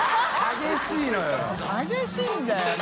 激しいんだよな。